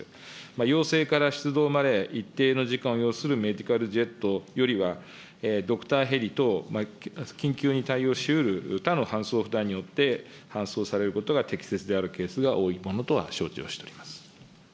要請から出動まで一定の時間を要するメディカルジェットよりは、ドクターヘリ等、緊急に対応しうる他の搬送負担によって、搬送されることが適切であるケースが多いことは承知をしております。